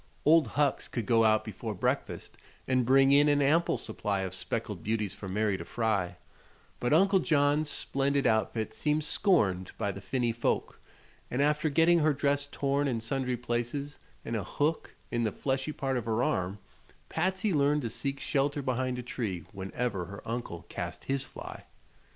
Old Hucks could go out before breakfast and bring in an ample supply of speckled beauties for Mary to fry; but Uncle John's splendid outfit seemed scorned by the finny folk, and after getting her dress torn in sundry places and a hook in the fleshy part of her arm Patsy learned to seek shelter behind a tree whenever her uncle cast his fly.